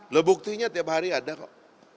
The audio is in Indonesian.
lebuktinya tiap hari ada kok